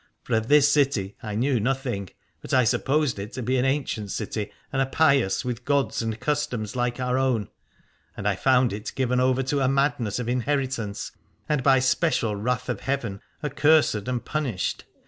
For of this city I knew nothing, but I supposed it to be an ancient city and a pious, with gods and customs like our owrt: 219 Aladore and I found it given over to a madness of inheritance, and by special wrath of heaven accursed and punished.